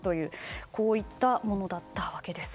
こういったものだったわけです。